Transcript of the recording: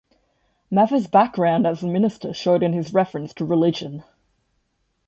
Mather's background as a minister showed in his references to religion.